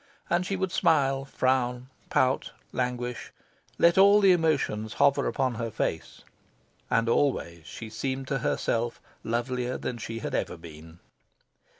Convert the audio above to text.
And she would smile, frown, pout, languish let all the emotions hover upon her face; and always she seemed to herself lovelier than she had ever been.